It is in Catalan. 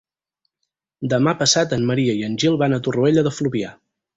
Demà passat en Maria i en Gil van a Torroella de Fluvià.